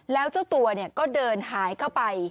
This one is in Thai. แล้วเจ้าตัวก็เดินหายเข้าไป